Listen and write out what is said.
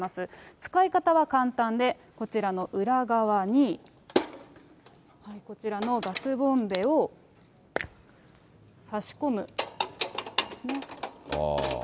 使い方は簡単で、こちらの裏側に、こちらのガスボンベを差し込むんですね。